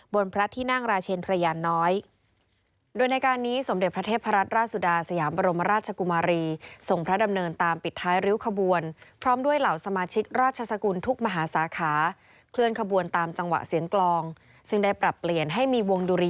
บนพระที่นั่งราเชียญพระยานน้อยโดยในการนี้สมเด็จพระเทพรัตน์ราชสุดาสยามบรมอราชชกุมารี